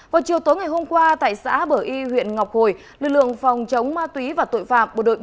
vào chiều tối ngày hôm qua tại xã bởi huyện ngọc hồi lực lượng phòng chống ma túy và tội phạm